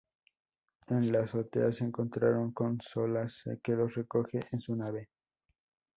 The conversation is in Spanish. En la azotea se encontraron con Solace que los recoge en su nave.